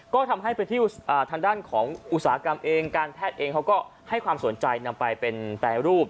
ก็ทำให้ไปที่ทางด้านของอุตสาหกรรมเองการแพทย์เองเขาก็ให้ความสนใจนำไปเป็นแปรรูป